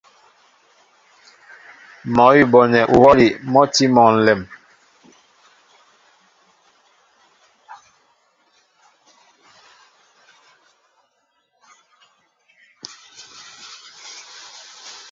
Mɔ́ awʉ́ a bonɛ uhwɔ́li mɔ́ a tí mɔ ǹlɛm.